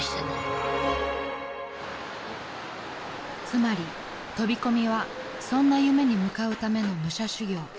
［つまり飛び込みはそんな夢に向かうための武者修行］